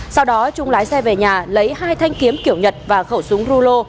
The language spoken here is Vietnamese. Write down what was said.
sau đó trung lái xe về nhà lấy hai thanh kiếm kiểu nhật và khẩu súng rulo